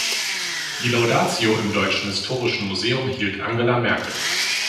Die Laudatio im Deutschen Historischen Museum hielt Angela Merkel.